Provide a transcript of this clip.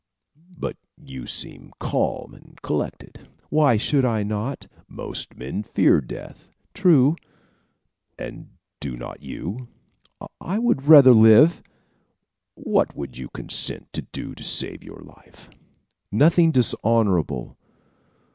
"But you seem calm and collected." "Why should I not?" "Most men fear death." "True." "And do not you?" "I would rather live." "What would you consent to do to save your life?" "Nothing dishonorable."